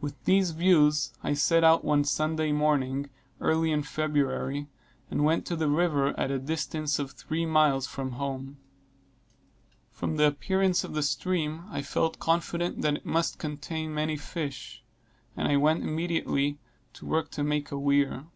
With these views, I set out one Sunday morning, early in February, and went to the river at a distance of three miles from home. From the appearance of the stream I felt confident that it must contain many fish; and I went immediately to work to make a weir.